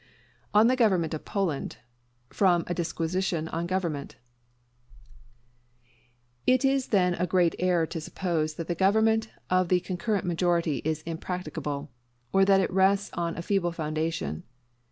ON THE GOVERNMENT OF POLAND From 'A Disquisition on Government' It is then a great error to suppose that the government of the concurrent majority is impracticable; or that it rests on a feeble foundation.